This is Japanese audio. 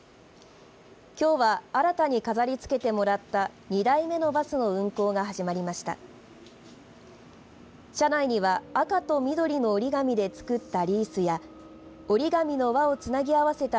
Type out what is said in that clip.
きょうは、新たに飾りつけてもらった２台目のバスの運行が始まりました。